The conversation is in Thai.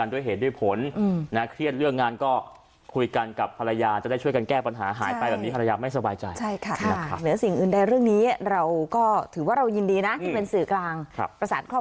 เชื่อตอบเรื่องงานก็คุยกันกับภรรยาจะได้ช่วยกันแก้ปัญหาหายไปหรือดังนี้ภรรยามั้ยสบายใจใช่ค่ะในเหลือสิ่งอื่นแดงเรื่องนี้เราก็ถือว่าเรายินดีนะเป็นสื่อกลางครับ